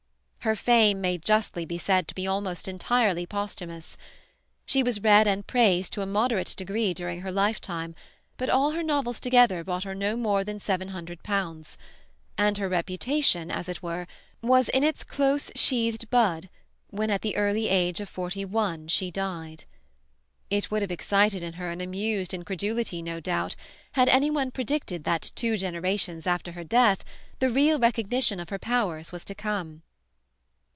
Her fame may justly be said to be almost entirely posthumous. She was read and praised to a moderate degree during her lifetime, but all her novels together brought her no more than seven hundred pounds; and her reputation, as it were, was in its close sheathed bud when, at the early age of forty one, she died. It would have excited in her an amused incredulity, no doubt, had any one predicted that two generations after her death the real recognition of her powers was to come.